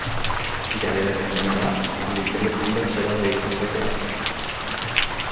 Ya desde temprana edad la ambición de Flanders era dedicarse al teatro.